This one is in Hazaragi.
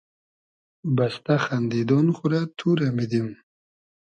بئستۂ خئندیدۉن خو رۂ تو رۂ میدیم